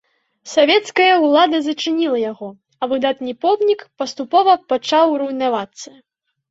Савецкая ўлада зачыніла яго, а выдатны помнік паступовага пачатку руйнавацца.